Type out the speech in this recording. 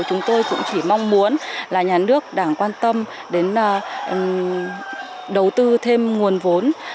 chúng tôi cũng chỉ mong muốn là nhà nước đảng quan tâm đến đầu tư thêm nguồn vốn